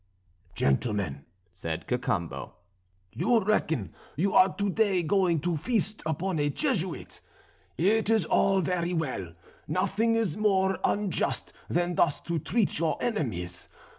"Gentlemen," said Cacambo, "you reckon you are to day going to feast upon a Jesuit. It is all very well, nothing is more unjust than thus to treat your enemies.